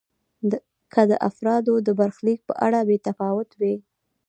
که د افرادو د برخلیک په اړه بې تفاوت وي.